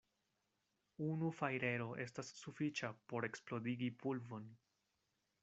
Unu fajrero estas sufiĉa, por eksplodigi pulvon.